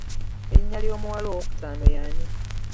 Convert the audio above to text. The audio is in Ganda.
Erinnya ly'omuwala ow'okutaano yaani?